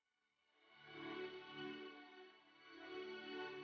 tetapi keberadaan biasa